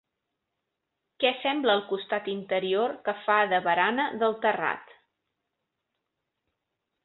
Què sembla el costat interior que fa de barana del terrat?